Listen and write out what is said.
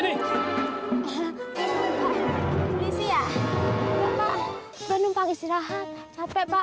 pak bener bener pagi istirahat capek pak